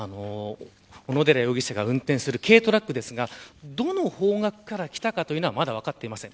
小野寺容疑者が運転する軽トラックですがどの方角から来たかというのは分かっていません。